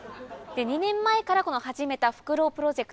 ２年前から始めたフクロウプロジェクト。